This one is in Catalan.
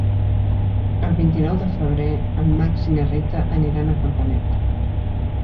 El vint-i-nou de febrer en Max i na Rita aniran a Campanet.